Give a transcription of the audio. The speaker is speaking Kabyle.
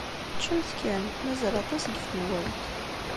Ččemt kan. Mazal aṭas deg tenwalt.